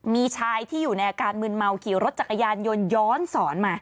มีชายที่อยู่ในอาการมืนเมาขี่รถจักรยานยนต์ย้อนสอนมา